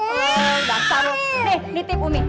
oh dasar lu nih nitip umi